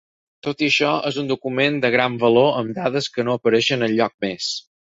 Tot i això, és un document de gran valor amb dades que no apareixen enlloc més.